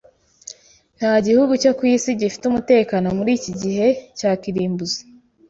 Nta gihugu cyo ku isi gifite umutekano muri iki gihe cya kirimbuzi.